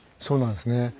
そうなんですね。